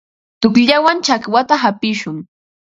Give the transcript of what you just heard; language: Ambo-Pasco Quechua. Tuqllawan chakwata hapishun.